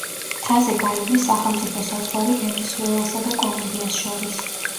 მთაზე გაივლის სახელმწიფო საზღვარი ვენესუელასა და კოლუმბიას შორის.